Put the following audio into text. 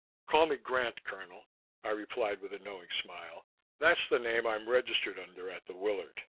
"Call me Grant, Colonel," I replied with a knowing smile. "That's the name I'm registered under at the Willard.